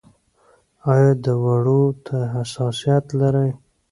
ایا دوړو ته حساسیت لرئ؟